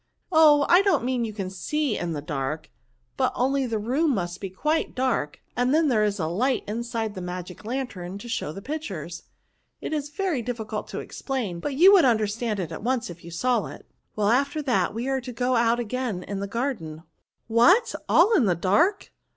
*'" Oh! I don't mean you can see in the darky but only the room must be quite dark ; and then there is a light inside the magic lantern to show the pictures. It is very • difficult to explain ; but you would imder stand it at once if you saw it. Well, after that we are to go out again in the garden.'* " What! aU in the dark?